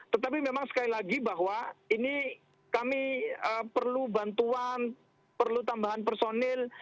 tetapi memang sekali lagi bahwa ini kami perlu bantuan perlu tambahan personil